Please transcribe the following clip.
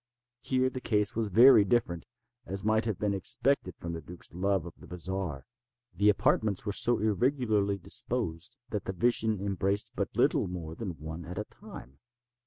Here the case was very different; as might have been expected from the duke's love of the bizarre. The apartments were so irregularly disposed that the vision embraced but little more than one at a time.